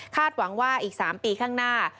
หวังว่าอีก๓ปีข้างหน้า